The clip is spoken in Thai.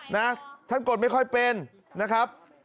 นะท่านกดไม่ค่อยเป็นนะครับ